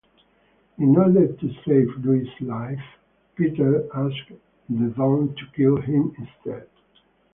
In order to save Lois' life, Peter asks the Don to kill him instead.